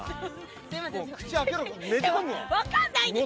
分かんないんです。